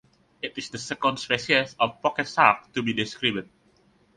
It is the second species of pocket shark to be described.